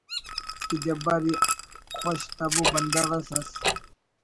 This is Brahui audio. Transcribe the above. کہ جبار خوش تبءُ بندغ اس ئس